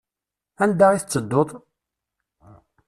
Anda i tettedduḍ?